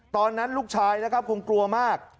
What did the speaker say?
ตอนนั้นลูกชายนะครับคงกลัวมาก